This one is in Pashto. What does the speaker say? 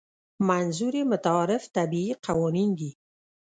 منظور یې متعارف طبیعي قوانین دي.